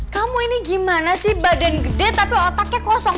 kamu ini gimana sih badan gede tapi otaknya kosong